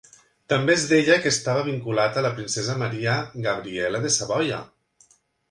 També es deia que estava vinculat a la princesa Maria Gabriella de Savoia.